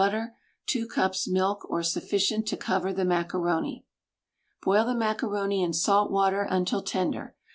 butter 2 cups milk or sufficient to cover the macaroni Boil the macaroni in salt water until tender.